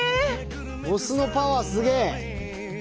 お酢のパワーすげえ！